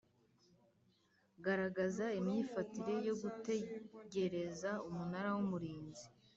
Garagaza imyifatire yo gutegereza umunara w umurinzi